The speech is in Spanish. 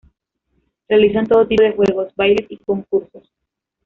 Realizan todo tipo de juegos, bailes y concursos.